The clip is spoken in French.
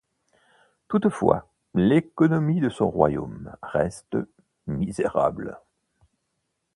Toutefois, l'économie de son royaume reste misérable.